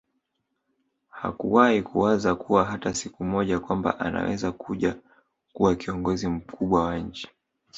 Hakuwai kuwaza kuwa hata siku moja kwamba anaweza kuja kuwa kiongozi mkubwa wa nchi